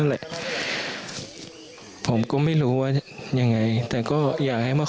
แหละผมก็ไม่รู้ว่ายังไงแต่ก็อยากให้มาขอ